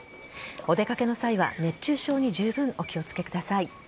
お出かけの際は熱中症にじゅうぶんお気を付けください。